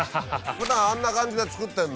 普段あんな感じで作ってんの？